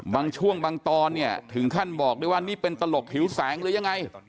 บางช่วงบางตอนเนี่ยถึงขั้นบอกได้ว่านี่เป็นตลกหิวแสงหรือยังไง